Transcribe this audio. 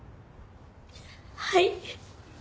はい。